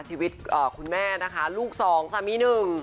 ชีวิตคุณแม่นะคะลูก๒สามี๑